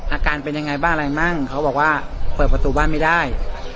อาการเป็นยังไงบ้างอะไรมั่งเขาบอกว่าเปิดประตูบ้านไม่ได้